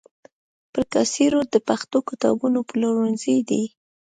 پر کاسي روډ د پښتو کتابونو پلورنځي دي.